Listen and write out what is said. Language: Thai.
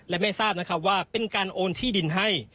และไม่ทราบนะครับว่าเป็นการโอนที่ดินให้